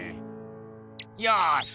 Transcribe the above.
よし！